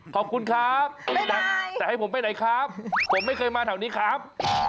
ขอบคุณครับแต่ให้ผมไปไหนครับผมไม่เคยมาแถวนี้ครับ